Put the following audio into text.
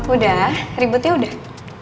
udah ributnya udah